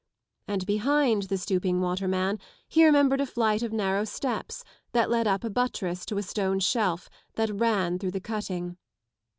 And behind the stooping waterman he remembered a flight of narrow steps that led up a buttress to a stone shelf that ran through the cutting.